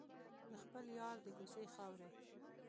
د خپل یار د کوڅې خاورې.